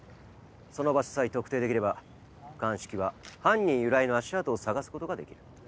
その場所さえ特定できれば鑑識は犯人由来の足跡を探すことができる。